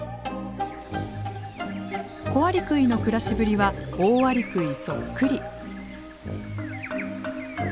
コアリクイの暮らしぶりはオオアリクイそっくり。